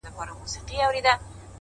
o باغ چي لاښ سي، باغوان ئې خوار سي٫